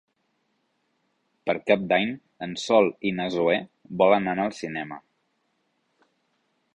Per Cap d'Any en Sol i na Zoè volen anar al cinema.